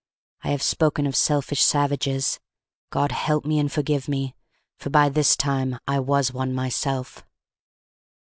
I have spoken of selfish savages. God help me and forgive me! For by this time I was one myself.